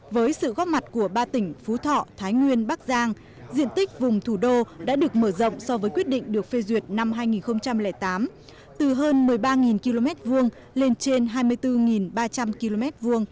với sự góp mặt của ba tỉnh phú thọ thái nguyên bắc giang diện tích vùng thủ đô đã được mở rộng so với quyết định được phê duyệt năm hai nghìn tám từ hơn một mươi ba km hai lên trên hai mươi bốn ba trăm linh km hai